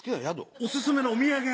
オススメのお土産屋。